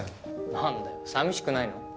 なんだよ寂しくないの？